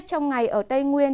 trong ngày ở tây nguyên